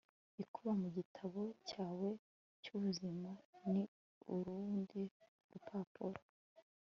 ibuka mu gitabo cyawe cyubuzima, ni urundi rupapuro